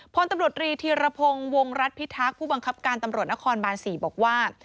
พตรีธิระพงศ์วงรัฐพิทักษ์ผู้บังคับการตนบาน๔บอกว่า